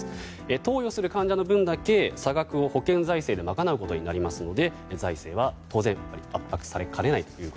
投与する患者の分だけ差額を保険財政で賄うことになりますので財政は当然圧迫されかねないと。